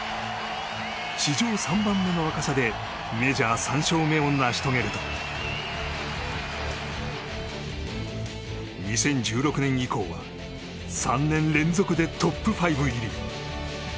史上３番目の若さでメジャー３勝目を成し遂げると２０１６年以降は３年連続でトップ５入り。